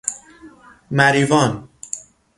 مریوان